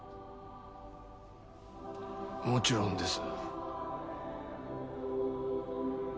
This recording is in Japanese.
もちろんです。